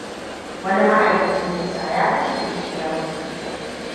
Wani ma'aikaci kisa ya kashe Ishaku.